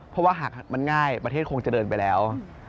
เพราะว่าหากมันง่ายประเทศคงจะเดินไปแล้ว